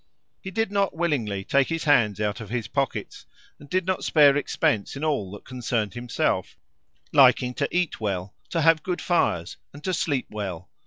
He did not willingly take his hands out of his pockets, and did not spare expense in all that concerned himself, liking to eat well, to have good fires, and to sleep well.